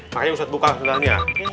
makanya ustaz buka segalanya